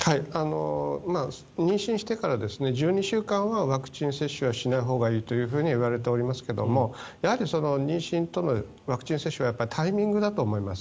妊娠してから１２週間はワクチン接種はしないほうがいいというふうにはいわれておりますけれどもやはり、妊娠とワクチン接種はタイミングだと思います。